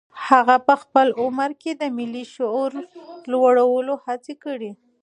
هغه په خپل عمر کې د ملي شعور لوړولو هڅې کړي.